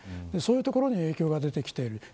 そういうところに影響が出てきている。